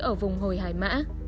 ở vùng hồi hải mã